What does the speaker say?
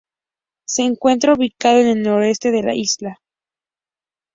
Se encuentra ubicado en el noroeste de la isla.